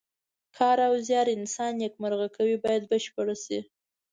کار او زیار انسان نیکمرغه کوي باید بشپړ شي.